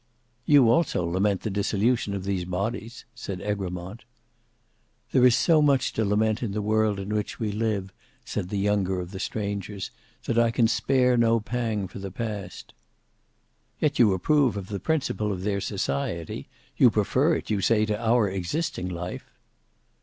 "You also lament the dissolution of these bodies," said Egremont. "There is so much to lament in the world in which we live," said the younger of the strangers, "that I can spare no pang for the past." "Yet you approve of the principle of their society; you prefer it, you say, to our existing life."